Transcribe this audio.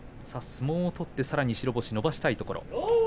相撲を取ってさらに白星を伸ばしたいところ。